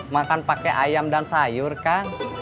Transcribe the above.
makan pakai ayam dan sayur kan